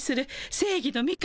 正義の味方？